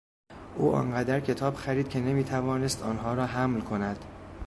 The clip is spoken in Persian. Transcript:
او آن قدر کتاب خرید که نمیتوانست آنها را حمل کند.